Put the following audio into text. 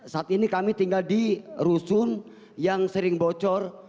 saat ini kami tinggal di rusun yang sering bocor